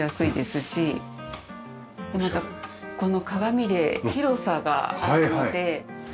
またこの鏡で広さがあるので。